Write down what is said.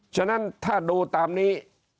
ฉะนั้นถ้าดูตามนี้